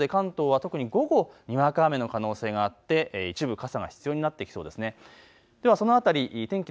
前線が南下してくることで関東は特に午後、にわか雨の可能性があって一部傘が必要になってきそうです。